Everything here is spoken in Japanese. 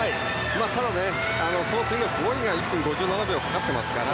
ただ、その次の５位が１分５７秒かかっていますから。